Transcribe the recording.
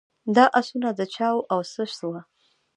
دا آسونه د چا وه او څه سوه.